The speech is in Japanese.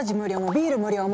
ビール無料も！